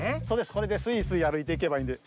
それでスイスイあるいていけばいいんです。